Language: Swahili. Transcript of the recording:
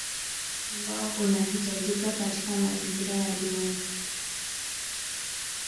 ambao unahitajika katika mazingira yaliyomo